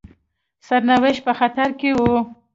سرنوشت په خطر کې وو.